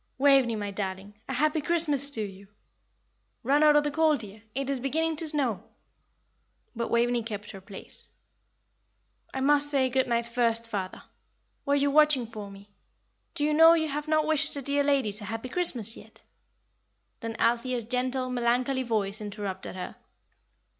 Waveney, my darling, 'a happy Christmas to you!' Run out of the cold, dear, it is beginning to snow." But Waveney kept her place. "I must say good night first, father. Were you watching for me? Do you know you have not wished the dear ladies a happy Christmas yet?" Then Althea's gentle, melancholy voice interrupted her.